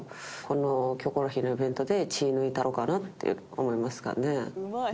この『キョコロヒー』のイベントで血抜いたろかなって思いますかね。